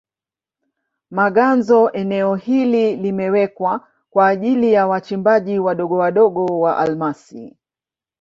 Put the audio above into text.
Maganzo eneo hili limewekwa kwa ajili ya wachimbaji wadogowadogo wa almasi